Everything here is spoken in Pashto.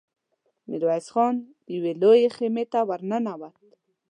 ميرويس خان يوې لويې خيمې ته ور ننوت.